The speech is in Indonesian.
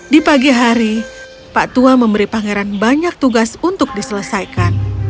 di pagi hari pak tua memberi pangeran banyak tugas untuk diselesaikan